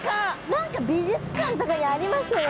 何か美術館とかにありますよね